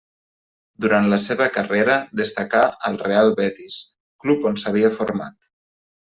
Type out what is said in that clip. Durant la seva carrera destacà al Real Betis, club on s'havia format.